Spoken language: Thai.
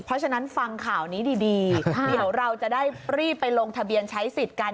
เพราะฉะนั้นฟังข่าวนี้ดีเดี๋ยวเราจะได้รีบไปลงทะเบียนใช้สิทธิ์กัน